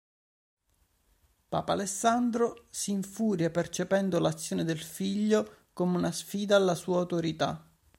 Papa Alessandro si infuria percependo l'azione del figlio come una sfida alla sua autorità.